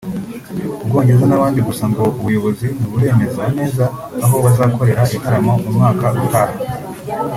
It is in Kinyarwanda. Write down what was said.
u Bwongereza n’ahandi gusa ngo ubuyobozi ntiburemeza neza aho bazakorera ibitaramo mu mwaka utaha